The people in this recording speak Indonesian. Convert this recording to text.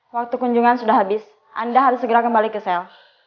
waktu kunjungan sudah habis anda harus segera kembali ke sel